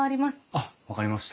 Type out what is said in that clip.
あっ分かりました。